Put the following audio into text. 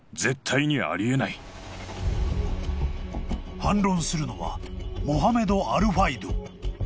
［反論するのはモハメド・アルファイド］